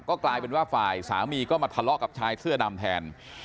ก็กลายเป็นว่าฝ่ายสามีก็มาทะเลาะกับชายเสื้อดำแทน